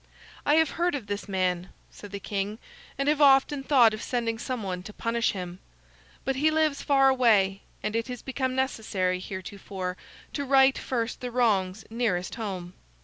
"I have heard of this man," said the king, "and have often thought of sending some one to punish him. But he lives far away, and it has been necessary heretofore to right first the wrongs nearest home.